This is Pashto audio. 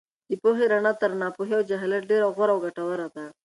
د پوهې رڼا تر ناپوهۍ او جهالت ډېره غوره او ګټوره ده.